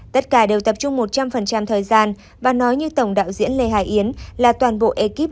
tất cả đều tập trung một trăm linh thời gian và nói như tổng đạo diễn lê hải yến là toàn bộ ekip